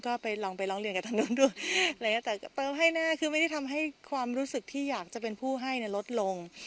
ก็ไปลองไปร้องเรียนกับทางนู้นดูอะไรอย่างเงี้แต่ก็เติมให้แน่คือไม่ได้ทำให้ความรู้สึกที่อยากจะเป็นผู้ให้เนี่ยลดลง